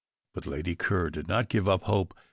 But Lady Ker did not give up hope.